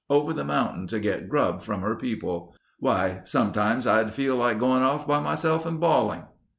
Over the mountain to get grub from her people. Why, sometimes I'd feel like going off by myself and bawling...."